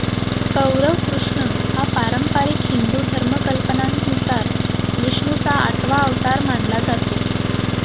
कौरव कृष्ण हा पारंपरिक हिंदू धर्मकल्पनांनुसार विष्णूचा आठवा अवतार मानला जातो.